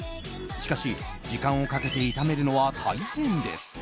しかし、時間をかけて炒めるのは大変です。